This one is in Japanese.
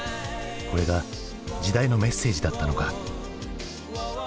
これが時代のメッセージだったのか。